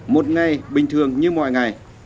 một ngày bình thường như mọi ngày